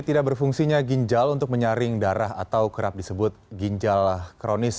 tidak berfungsinya ginjal untuk menyaring darah atau kerap disebut ginjal kronis